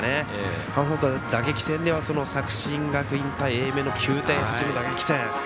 打撃戦では作新学院対英明の９対８の打撃戦。